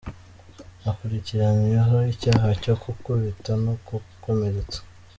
Akurikiranyweho icyaha cyo gukubita no gukomeretsa.